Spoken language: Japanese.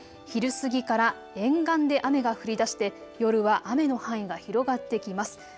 昼過ぎから沿岸で雨が降りだして夜は雨の範囲が広がってきます。